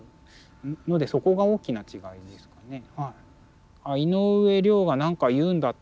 のでそこが大きな違いですかね。